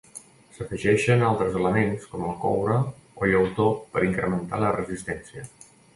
S'afegeixen altres elements com el coure o llautó per incrementar la resistència.